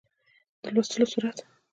د لوستلو سرعت